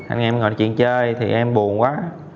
anh em ngồi nói chuyện chơi thì em buồn quá